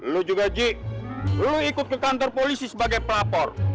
lu juga j lo ikut ke kantor polisi sebagai pelapor